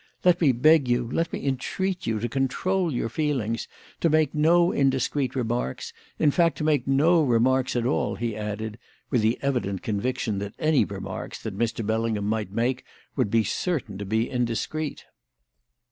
Let me beg you let me entreat you to control your feelings, to make no indiscreet remarks; in fact, to make no remarks at all," he added, with the evident conviction that any remarks that Mr. Bellingham might make would be certain to be indiscreet.